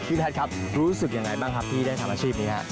แพทย์ครับรู้สึกยังไงบ้างครับที่ได้ทำอาชีพนี้ครับ